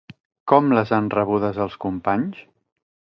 Com les han rebudes els companys?